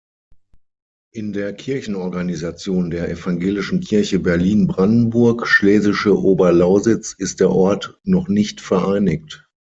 In der Kirchenorganisation der Evangelischen Kirche Berlin-Brandenburg-schlesische Oberlausitz ist der Ort noch nicht vereinigt.